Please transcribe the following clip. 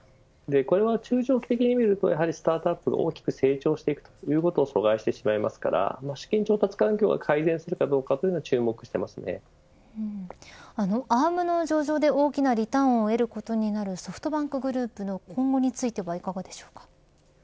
これは中長期的に見るとスタートアップが大きく成長することを阻害してしまうので資金調達環境が改善するかアームの上場で大きなリターンを得ることになるソフトバンクグループの今後についてはいかがでしょうか。